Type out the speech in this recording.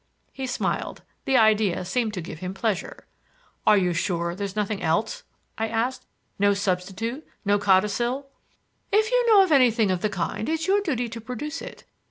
He smiled; the idea seemed to give him pleasure. "Are you sure there's nothing else?" I asked. "No substitute,—no codicil?" "If you know of anything of the kind it's your duty to produce it.